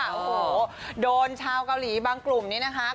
โอ้โหโดนชาวเกาหลีบางกลุ่มนี้นะคะ